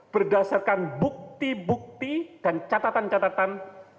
berdasarkan bukti bukti dan catatan catatan